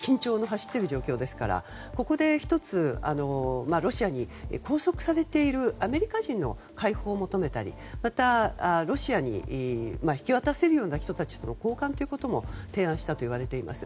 そしてロシアとアメリカというのはある意味非常に緊張の走っている状況ですからここで１つロシアに拘束されているアメリカ人の解放を求めたりまた、ロシアに引き渡せるような人たちと交換ということも提案したといわれています。